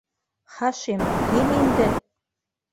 Хашим, һин инде!